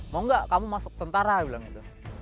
mau nggak kamu masuk tentara bilang gitu